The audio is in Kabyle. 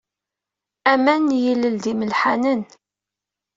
Aman n yilel d imelḥanen.